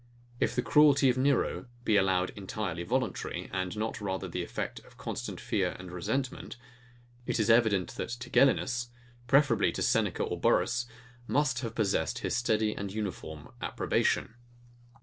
If the cruelty of Nero be allowed entirely voluntary, and not rather the effect of constant fear and resentment; it is evident that Tigellinus, preferably to Seneca or Burrhus, must have possessed his steady and uniform approbation.